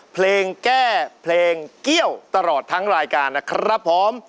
เพลงแก้เพลงเกี้ยวตลอดทั้งรายการนะครับผม